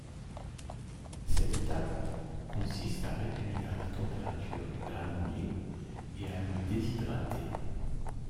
Cette étape consiste à réduire la température du granulé et à le déshydrater.